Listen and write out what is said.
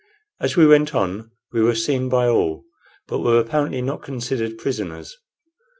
As we went on we were seen by all, but were apparently not considered prisoners.